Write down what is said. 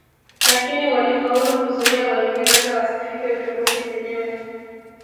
Lakini walifaulu kuzuia Waingereza wasifike Uturuki penyewe